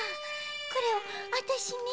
これをあたしに？